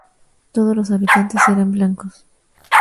Todos los habitantes eran blancos.